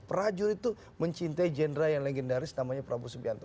prajurit itu mencintai jenderal yang legendaris namanya prabowo subianto